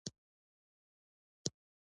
هغه ليکنه مو له ځان سره له يادو تکرار کړئ.